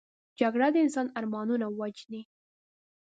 جګړه د انسان ارمانونه وژني